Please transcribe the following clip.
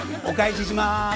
お返しします。